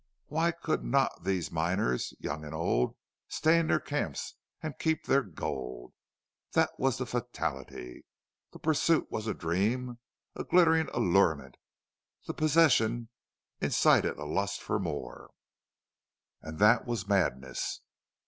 Why could not these miners, young and old, stay in their camps and keep their gold? That was the fatality. The pursuit was a dream a glittering allurement; the possession incited a lust for more, and that was madness.